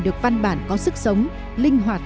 được văn bản có sức sống linh hoạt